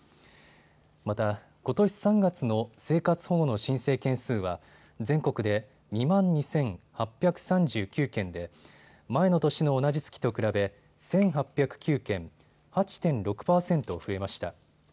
また、ことし３月の生活保護の申請件数は全国で２万２８３９件で前の年の同じ月と比べ１８０９件、８．６％増えました。